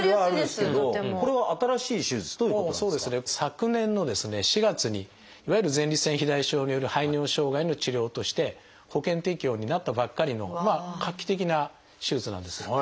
昨年のですね４月にいわゆる前立腺肥大症による排尿障害の治療として保険適用になったばっかりの画期的な手術なんです。